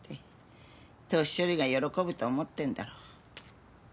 年寄りが喜ぶと思ってんだろう。